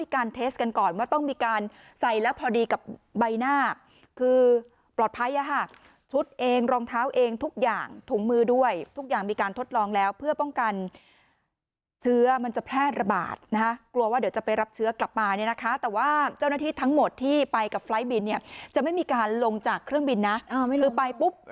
เทสกันก่อนว่าต้องมีการใส่แล้วพอดีกับใบหน้าคือปลอดภัยชุดเองรองเท้าเองทุกอย่างถุงมือด้วยทุกอย่างมีการทดลองแล้วเพื่อป้องกันเชื้อมันจะแพร่ระบาดนะคะกลัวว่าเดี๋ยวจะไปรับเชื้อกลับมาเนี่ยนะคะแต่ว่าเจ้าหน้าที่ทั้งหมดที่ไปกับไฟล์ทบินเนี่ยจะไม่มีการลงจากเครื่องบินนะคือไปปุ๊บ